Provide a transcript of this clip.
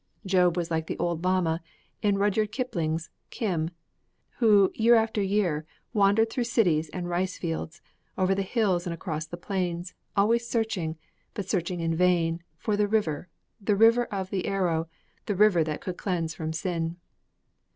Job was like the old lama, in Rudyard Kipling's Kim, who, year after year, wandered through cities and rice fields, over the hills and across the plains, always searching, but searching in vain, for the River, the River of the Arrow, the River that could cleanse from sin!